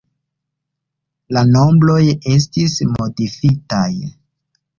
La nombroj estis modifitaj.